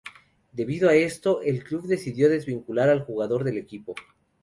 Debido a esto, el club decidió desvincular al jugador del equipo.